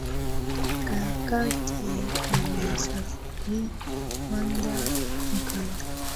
Kakake amesafiri kwenda uganda